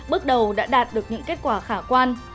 bước đầu đã đạt được những kết quả khả quan